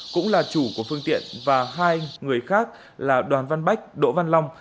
cũng là chủ của phương tiện và hai người khác là đoàn văn bách đỗ văn long